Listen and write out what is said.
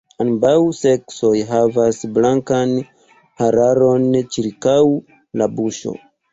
Ambaŭ seksoj havas blankan hararon ĉirkaŭ la buŝo.